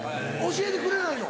教えてくれないの？